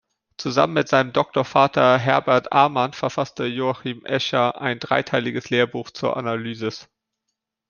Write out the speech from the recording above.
Zusammen mit seinem Doktorvater Herbert Amann verfasste Joachim Escher ein dreiteiliges Lehrbuch zur Analysis.